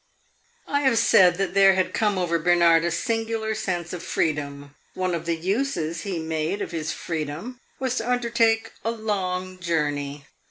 I have said that there had come over Bernard a singular sense of freedom. One of the uses he made of his freedom was to undertake a long journey.